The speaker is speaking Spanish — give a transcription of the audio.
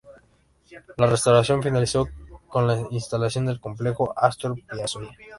La restauración finalizó con la instalación del complejo Astor Piazzolla.